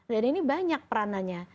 dan ini banyak perananya